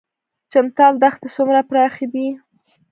چمتال دښتې څومره پراخې دي؟